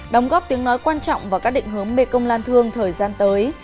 đóng góp tiếng nói quan trọng vào các định hướng mekong lan thương thời gian tới